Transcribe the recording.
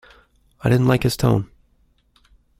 I didn't like his tone.